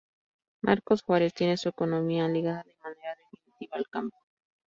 Marcos Juárez tiene su economía ligada de manera definitiva al campo.